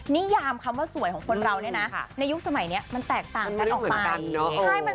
นิยามคำว่าสวยของคนเราเนี่ยนะในยุคสมัยนี้มันแตกต่างกันออกไป